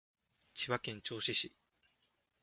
千葉県銚子市